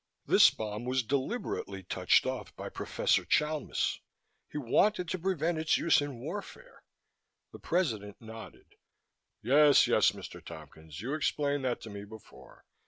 This bomb was deliberately touched off by Professor Chalmis. He wanted to prevent its use in warfare." The President nodded. "Yes, yes, Mr. Tompkins. You explained that to me before.